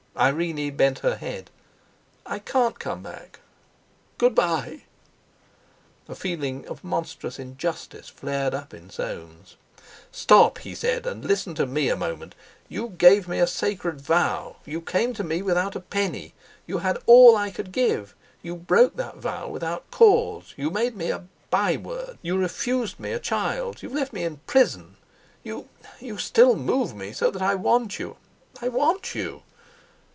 Irene bent her head. "I can't come back. Good bye!" A feeling of monstrous injustice flared up in Soames. "Stop!" he said, "and listen to me a moment. You gave me a sacred vow—you came to me without a penny. You had all I could give you. You broke that vow without cause, you made me a by word; you refused me a child; you've left me in prison; you—you still move me so that I want you—I want you.